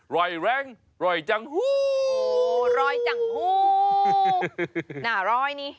รอยแรงรอยจังหูรอยจังหูหน้ารอยนี่